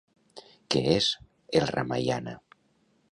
Què és el Ramaiana?